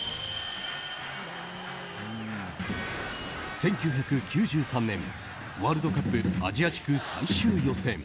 １９９３年、ワールドカップアジア地区最終予選。